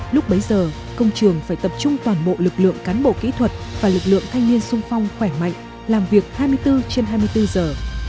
lúc bấy giờ công trường phải tập trung toàn bộ lực lượng cán bộ kỹ thuật và lực lượng thanh niên sung phong khỏe mạnh làm việc hai mươi bốn trên hai mươi bốn giờ